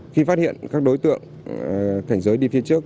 khi phát hiện các đối tượng cảnh giới đi phía trước